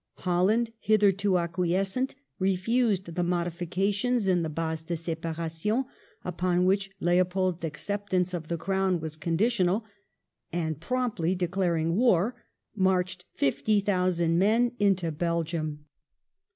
Holland, hitherto acquiescent, refused the modifications in the bases de separations upon which Leopold's acceptance of the Crown was conditional, and promptly declaring war marched 50,000 men into Belgium.